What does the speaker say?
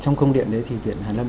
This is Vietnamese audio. trong công điện đấy thì viện hàn lâm